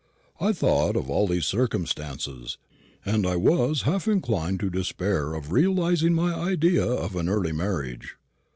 I thought of all these circumstances, and I was half inclined to despair of realising my idea of an early marriage.